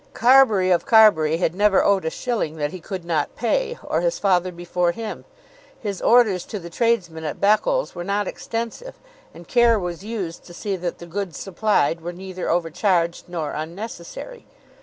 Carbury of Carbury had never owed a shilling that he could not pay, or his father before him. His orders to the tradesmen at Beccles were not extensive, and care was used to see that the goods supplied were neither overcharged nor unnecessary.